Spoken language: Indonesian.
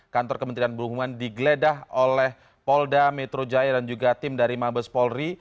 kantor kementerian perhubungan digeledah oleh polda metro jaya dan juga tim dari mabes polri